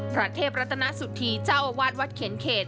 พระเทพรัตนสุธีเจ้าอาวาสวัดเขียนเขต